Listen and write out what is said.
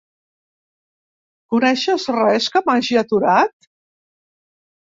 Coneixes res que m'hagi aturat?